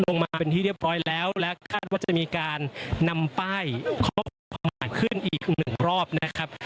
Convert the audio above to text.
ลงมาเป็นที่เรียบร้อยแล้วและคาดว่าจะมีการนำป้ายข้อความประมาทขึ้นอีกหนึ่งรอบนะครับ